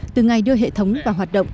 từ ngày đưa hệ thống vào hoạt động